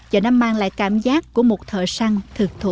và nó mang lại cảm giác của một thợ săn thực thụ